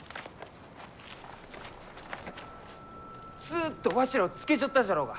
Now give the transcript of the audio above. ずっとわしらをつけちょったじゃろうが！